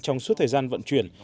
trong suốt thời gian vận chuyển